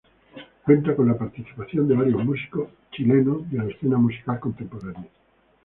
Cuenta con la participación de varios músicos chilenos de la escena musical contemporánea.